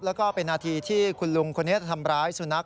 แล้วก็เป็นนาทีที่คุณลุงคนนี้ทำร้ายสุนัข